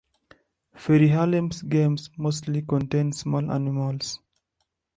Ferry Halim's games mostly contain small animals.